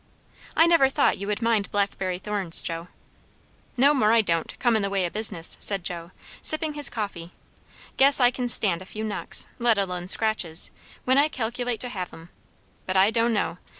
"I never thought you would mind blackberry thorns, Joe." "No more I don't, come in the way o' business," said Joe, sipping his coffee. "Guess I kin stand a few knocks, let alone scratches, when I calculate to have 'em. But I don' know!